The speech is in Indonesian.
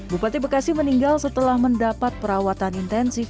bupati bekasi meninggal setelah mendapat perawatan intensif